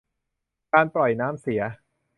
การปล่อยน้ำเสีย